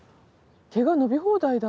毛が伸び放題だ。